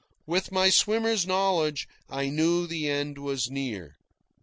With my swimmer's knowledge, I knew the end was near.